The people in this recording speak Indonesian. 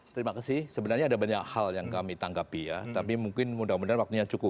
terima kasih sebenarnya ada banyak hal yang kami tanggapi ya tapi mungkin mudah mudahan waktunya cukup